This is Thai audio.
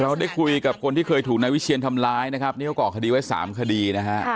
ได้คุยกับคนที่เคยถูกนายวิเชียนทำร้ายนะครับนี่เขาก่อคดีไว้๓คดีนะฮะ